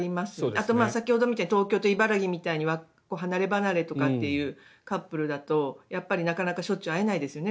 あと、先ほどみたいに東京と茨城みたいに離れ離れとかというカップルだとやっぱりなかなかしょっちゅう会えないですよね